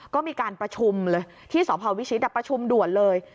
ก็มีการประชุมเลยที่สพวิชิตประชุมด่วนเลย